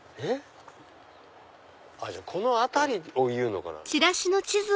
じゃあこの辺りを言うのかな？